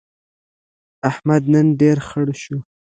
احمد نن ډېر خړ شو.